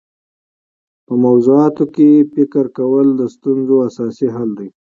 په موضوعاتو کي فکر کول د ستونزو اساسي حل دی.